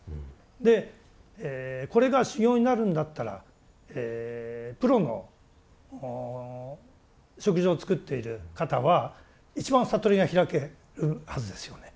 でこれが修行になるんだったらプロの食事を作っている方は一番悟りが開けるはずですよね。